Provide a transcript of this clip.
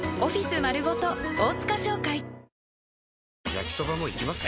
焼きソバもいきます？